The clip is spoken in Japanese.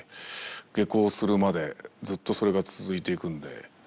下校するまでずっとそれが続いていくんで。